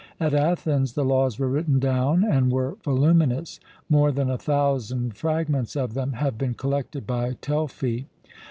At Athens the laws were written down and were voluminous; more than a thousand fragments of them have been collected by Telfy.